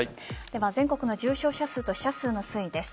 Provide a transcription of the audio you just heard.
では、全国の重症者数と死者数の推移です。